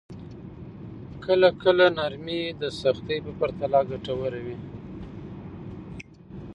کله کله نرمي د سختۍ په پرتله ګټوره وي.